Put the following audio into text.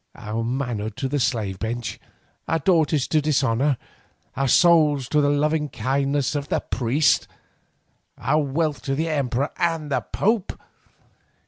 Our manhood to the slave bench, our daughters to dishonour, our souls to the loving kindness of the priest, our wealth to the Emperor and the Pope!